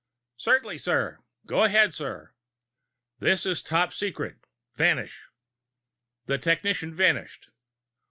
"Certainly, sir. Go ahead, sir." "This is top secret. Vanish." The technician vanished.